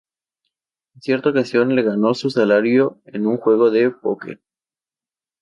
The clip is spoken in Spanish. En cierta ocasión le ganó su salario en un juego de póquer.